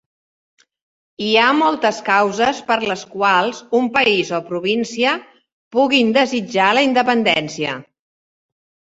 Hi ha moltes causes per les quals un país o província puguin desitjar la independència.